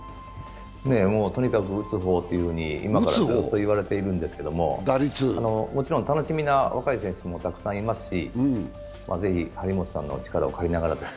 とにかく打つ方とずっと言われているんですけどもちろん楽しみな若い選手もたくさんいますし、ぜひ張本さんの力を借りながら。